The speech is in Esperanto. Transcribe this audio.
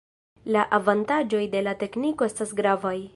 La avantaĝoj de la tekniko estas gravaj.